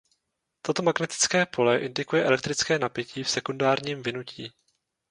Toto magnetické pole indukuje elektrické napětí v sekundárním vinutí.